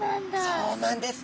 そうなんです。